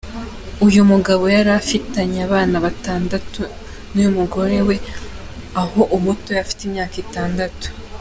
Uyu mugabo yari afitanye abana batandatu n’umugore we aho umuto afite imyaka itandatu.